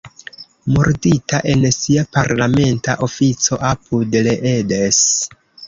Murdita en sia parlamenta ofico apud Leeds.